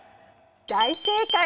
大正解！